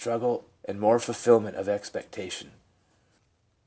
struggle, and more fulfil ment of expectation.'